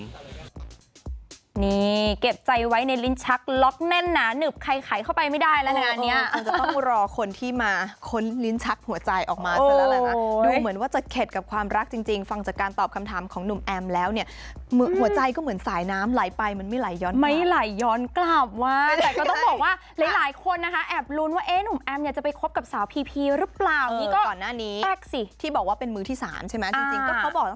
ของผมนี่เก็บใจไว้ในลิ้นชักล็อคแน่นหนาหนึบไขเข้าไปไม่ได้แล้วนะเนี่ยต้องรอคนที่มาค้นลิ้นชักหัวใจออกมาดูเหมือนว่าจะเข็ดกับความรักจริงจริงฟังจากการตอบคำถามของหนุ่มแอมแล้วเนี่ยหัวใจก็เหมือนสายน้ำไหลไปมันไม่ไหลย้อนไม่ไหลย้อนกลับว่าแต่ก็ต้องบอกว่าหลายคนนะคะแอบลุ้นว่าเอ๊ะหนุ่ม